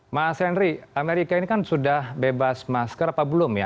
mas henry amerika ini kan sudah bebas masker apa belum ya